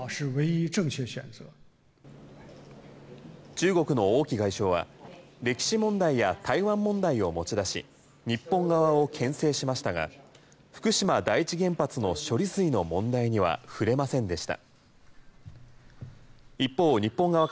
中国の王毅外相は歴史問題や台湾問題を持ち出し日本側をけん制しましたが福島第一原発の処理水の問題には触れませんでした。